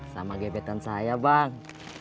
sama gebetan saya bang